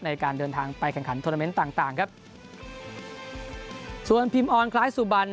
ในการเดินทางไปแข่งขันโทรเมนต์ต่างต่างครับส่วนพิมออนคล้ายสุบัน